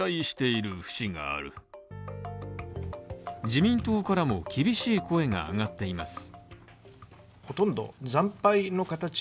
自民党からも厳しい声が上がっています。